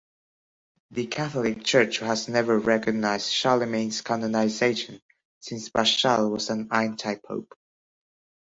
The Catholic Church has never recognized Charlemagne's canonization, since Paschal was an antipope.